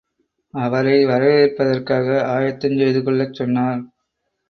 அவரை வரவேற்பதற்காக ஆயத்தஞ் செய்துகொள்ளச் சொன்னார்.